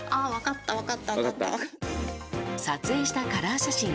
撮影したカラー写真。